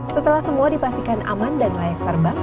setelah semua dipastikan aman dan layak terbang